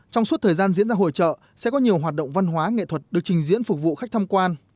trong suốt thời gian diễn ra hội trợ sẽ có nhiều hoạt động văn hóa nghệ thuật được trình diễn phục vụ khách tham quan